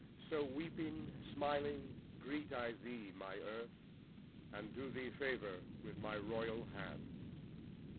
So, weeping, smiling, greet I thee, my earth! And do thee favour with my royal hands.